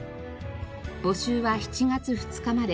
募集は７月２日まで。